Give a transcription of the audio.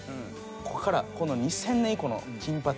ここから２０００年以降の金八